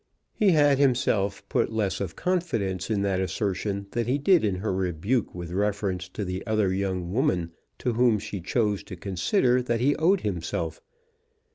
He had himself put less of confidence in that assertion than he did in her rebuke with reference to the other young woman to whom she chose to consider that he owed himself.